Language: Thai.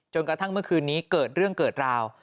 กระทั่งเมื่อคืนนี้เกิดเรื่องเกิดราว